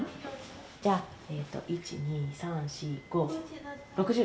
じゃあ１２３４５６０で。